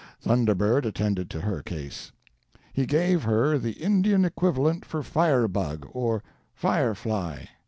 Thunder Bird attended to her case. He gave her the Indian equivalent for firebug, or fire fly.